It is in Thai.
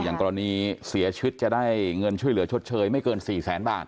อย่างกรณีเสียชีวิตจะได้เงินช่วยเหลือชดเชยไม่เกิน๔แสนบาท